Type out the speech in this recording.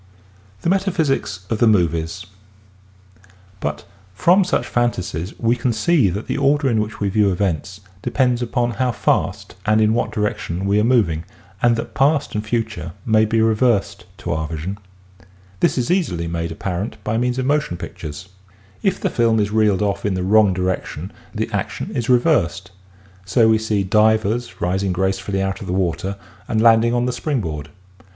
THE METAPHYSICS OF THE MOVIES But from such fantasies we can see that the order in which we view events depends upon how fast and in what direction we are moving and that past and future may be reversed to our vision. This is easily made apparent by means of motion pictures. If the film is THE METAPHYSICS OF THE MOVIES 46 reeled off in the wrong direction the action is reversed. So we see divers rising gracefully out of the water and landing on the spring board.